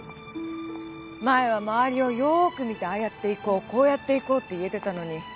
前は周りをよーく見てああやっていこうこうやっていこうって言えてたのに。